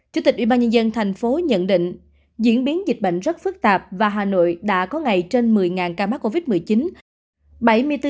chủ tịch ủy ban nhân dân thành phố nhận định diễn biến dịch bệnh rất phức tạp và hà nội đã có ngày trên một mươi ca mắc covid một mươi chín